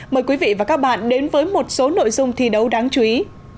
mời quý vị và các bạn đến với một số nội dung thi đấu đáng chú ý